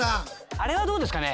あれはどうですかね？